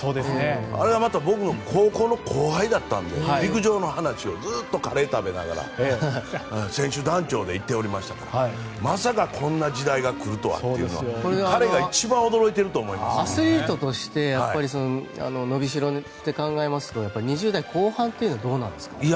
あれがまた僕の高校の後輩だったので陸上の話をずっとカレー食べながら選手団長で行っておりましたからまさかこんな時代が来るとはアスリートとしてのびしろって考えると２０代後半はどうなんですか？